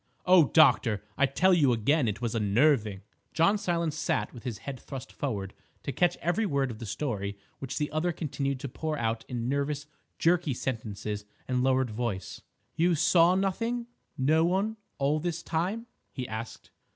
Oh, doctor, I tell you again, it was unnerving!" John Silence sat with his head thrust forward to catch every word of the story which the other continued to pour out in nervous, jerky sentences and lowered voice. "You saw nothing—no one—all this time?" he asked.